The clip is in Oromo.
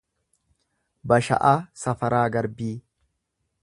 Basha’aa Safaraa Garbii